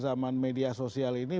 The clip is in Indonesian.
zaman media sosial ini